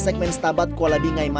segmen setabat kuala bingai